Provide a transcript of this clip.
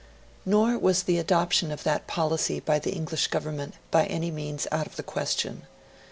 Nor was the adoption of that policy by the English Government by any means out of the question.